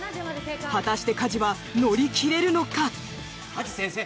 果たして加地は乗り切れるのか。